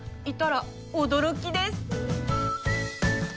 いたら驚きです。